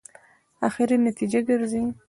اخري نتیجې ګرځي.